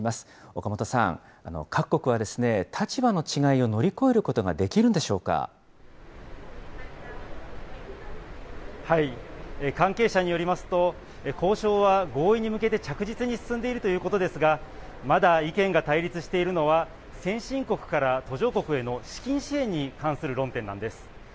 岡本さん、各国はですね、立場の違いを乗り越えることができるん関係者によりますと、交渉は合意に向けて着実に進んでいるということですが、まだ意見が対立しているのは、先進国から途上国への資金支援に関する論点なんです。